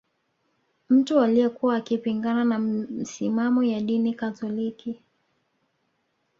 Mtu aliyekuwa akipingana na misimamo ya dini katoliki